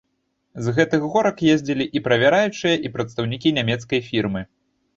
З гэтых горак ездзілі і правяраючыя, і прадстаўнікі нямецкай фірмы.